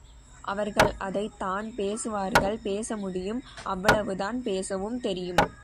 அவர்கள் அதைத் தான் பேசுவார்கள், பேச முடியும், அவ்வளவுதான் பேசவும் தெரியும்.